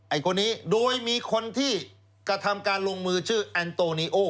คนนี้โดยมีคนที่กระทำการลงมือชื่อแอนโตนีโอ